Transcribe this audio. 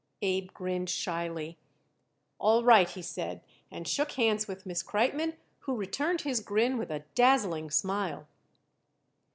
Abe grinned shyly. "All right," he said, and shook hands with Miss Kreitmann, who returned his grin with a dazzling smile.